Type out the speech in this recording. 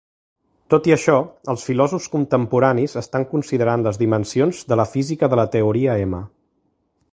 Tot i això, els filòsofs contemporanis estan considerant les dimensions de la física de la teoria M.